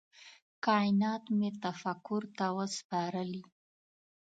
کائینات مي تفکر ته وه سپارلي